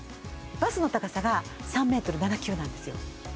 バスの高さが３ｍ７９なんですよ